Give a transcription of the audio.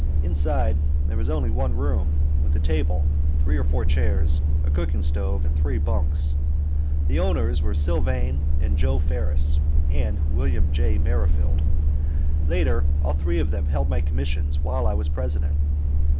Inside there was only one room, with a table, three or four chairs, a cooking stove, and three bunks. The owners were Sylvane and Joe Ferris and William J. Merrifield. Later all three of them held my commissions while I was President.